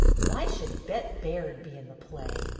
" Why should Bet Baird be in the play